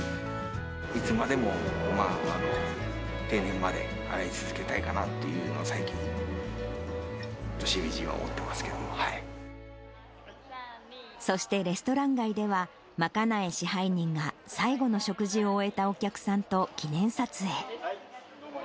いつまでも定年まで、洗い続けたいかなっていうのを最近、本当、しみじみ思ってますけそしてレストラン街では、蒔苗支配人が、最後の食事を終えたお客さんと記念撮影。